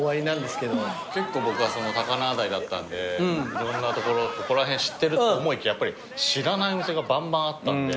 結構僕は高輪台だったんでいろんな所ここら辺知ってると思いきややっぱり知らないお店がばんばんあったんで。